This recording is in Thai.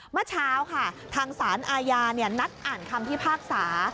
เมื่อเช้าทางสารอาญานัดอ่านคำที่ภาคสา